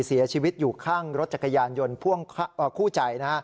เสียชีวิตอยู่ข้างรถจักรยานยนต์พ่วงคู่ใจ